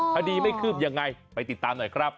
คดีไม่คืบยังไงไปติดตามหน่อยครับ